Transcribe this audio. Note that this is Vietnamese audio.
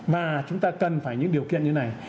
và chúng ta cần phải những điều kiện như này